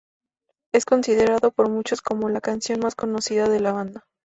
Es considerado por muchos como la canción más conocida de la banda.